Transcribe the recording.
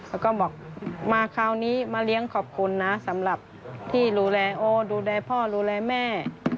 เขาบอกมาคราวนี้มาเลี้ยงขอบคุณนะสำหรับที่ดูแลโอดูแลพ่อดูแลแม่